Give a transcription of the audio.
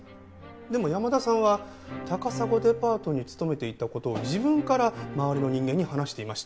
でも山田さんは高砂デパートに勤めていた事を自分から周りの人間に話していました。